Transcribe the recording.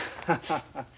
ハハハ。